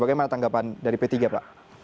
bagaimana tanggapan dari p tiga pak